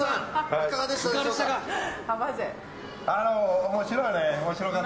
いかがでしたか？